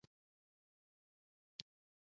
د دې معنا دا ده چې پرمختګ خپل منطق لري.